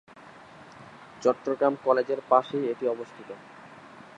চট্টগ্রাম কলেজের পাশেই এটি অবস্থিত।